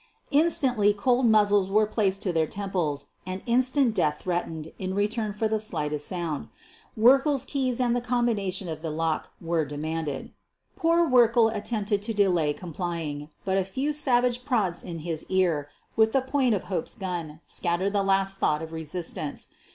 Instantly cold muzzles were placed QUEEN OF THE BURGLARS 161 to their temples and instant death threatened in return for the slightest sound. Werkle 's keys and the combination of the lock were demanded. Poor Werkle attempted to delay complying, but a few savage prods in his ear with the point of Hope's gun scattered the last thought of resistance.